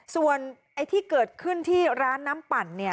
ส่วนที่เกิดขึ้นที่ร้านน้ำปั่น